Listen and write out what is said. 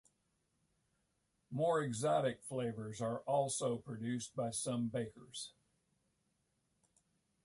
More exotic flavours are also produced by some bakers.